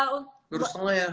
lurus semua ya